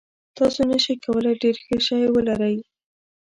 تاسو نشئ کولی ډیر ښه شی ولرئ.